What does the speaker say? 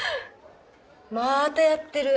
またやってる。